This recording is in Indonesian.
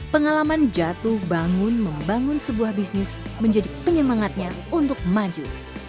pengalaman jatuh bangun membangun sebuah bisnis menjadi penyemangatnya untuk maju